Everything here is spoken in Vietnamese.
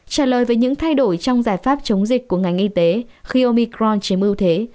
trả lời về những thay đổi trong giải pháp chống dịch của ngành y tế khi omicron chiếm ưu thế